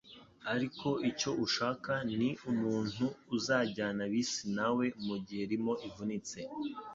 ariko icyo ushaka ni umuntu uzajyana bisi nawe mugihe limo ivunitse.”